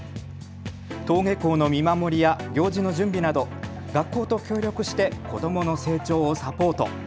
登下校の見守りや行事の準備など学校と協力して子どもの成長をサポート。